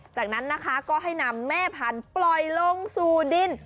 จากนั้นนะคะก็ให้นำแม่พันธุ์ปล่อยลงสู่ดิน